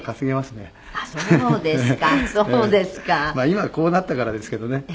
今こうなったからですけどね。